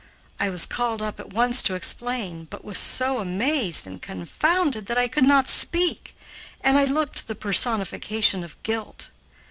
I was called up at once to explain, but was so amazed and confounded that I could not speak, and I looked the personification of guilt.